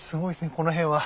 この辺は。